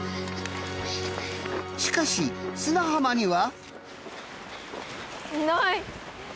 しかし砂浜には。